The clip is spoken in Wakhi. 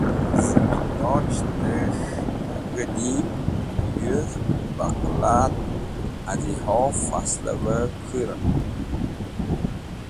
Zamindorishtes̃h g̃hidim, yũrk, baqla et haz̃igoh faslev kũren.